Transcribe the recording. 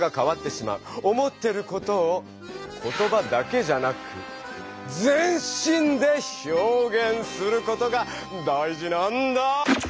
思ってることを言葉だけじゃなく全身で表現することが大事なんだ！